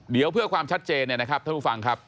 เดี๋ยวเพื่อความชัดเจนเนี่ยนะครับท่านผู้ฟังครับ